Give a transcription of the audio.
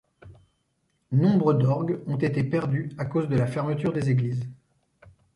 Nombres d'orgues ont été perdus à cause de la fermeture des églises.